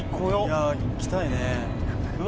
いや行きたいね！